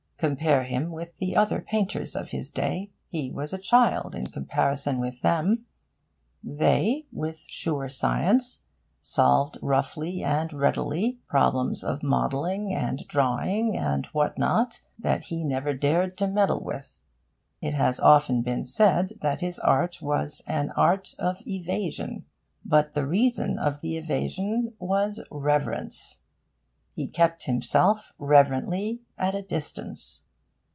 Compare him with the other painters of his day. He was a child in comparison with them. They, with sure science, solved roughly and readily problems of modelling and drawing and what not that he never dared to meddle with. It has often been said that his art was an art of evasion. But the reason of the evasion was reverence. He kept himself reverently at a distance.